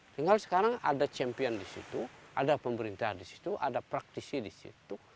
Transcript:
tinggal sekarang ada champion di situ ada pemerintah di situ ada praktisi di situ